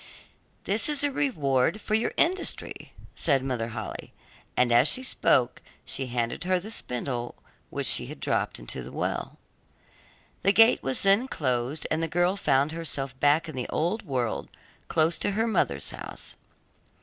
'That is a reward for your industry,' said Mother Holle, and as she spoke she handed her the spindle which she had dropped into the well. The gate was then closed, and the girl found herself back in the old world close to her mother's house.